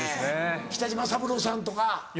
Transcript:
北島三郎さんとか。